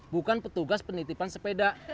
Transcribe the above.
bukan petugas penitipan sepeda